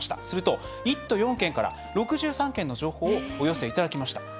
すると、１都４県から６３件の情報をお寄せいただきました。